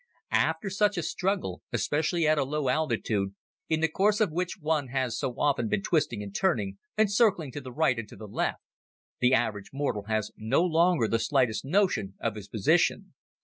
After such a struggle, especially at a low altitude, in the course of which one has so often been twisting and turning, and circling to the right and to the left, the average mortal has no longer the slightest notion of his position.